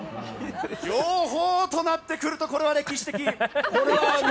両方となってくるとこれは歴史的。